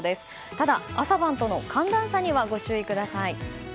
ただ、朝晩との寒暖差にはご注意ください。